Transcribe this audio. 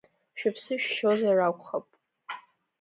Шәыԥсы шәшьозар акәхап…